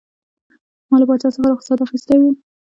ما له پاچا څخه رخصت اخیستی وو.